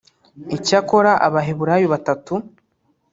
Icyakora Abaheburayo batatu